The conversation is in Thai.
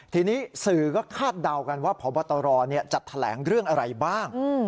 ทีนี้สื่อก็คาดเดากันว่าพบตรจะแถลงเรื่องอะไรบ้าง